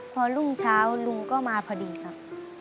พอรุ่งเช้าลุงก็มาพอดีครับ